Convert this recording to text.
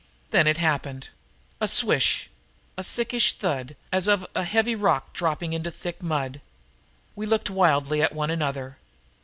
Then it happened a swish, a sickish thud as of a heavy rock dropping into thick mud. We looked wildly at one another.